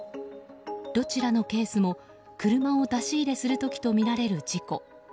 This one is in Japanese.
どちらのケースも車を出し入れする時とみられる事故。